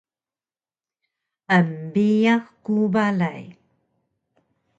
Embiyax ku balay